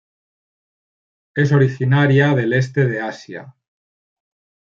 Es originaria del Este de Asia.